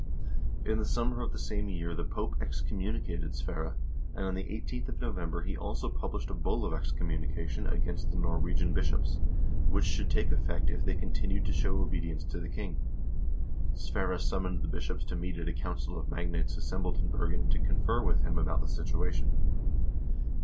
In the summer of the same year the Pope excommunicated Sverre, and on the 18th of November he also published a bull of excommunication against the Norwegian bishops, which should take effect if they continued to show obedience to the king. Sverre summoned the bishops to meet at a council of magnates assembled in Bergen to confer with him about the situation.